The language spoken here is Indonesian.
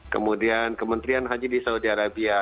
kemudian kementerian haji di saudi arabia